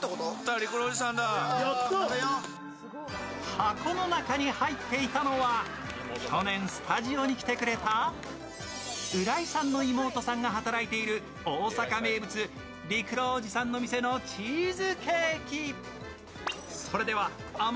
箱の中に入っていたのは去年スタジオに来てくれた浦井さんの妹さんが働いている大阪名物、りくろーおじさんの店のチーズケーキ。